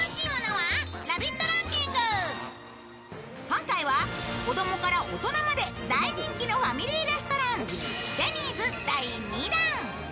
今回は子供から大人まで大人気のファミリーレストランデニーズ第２弾。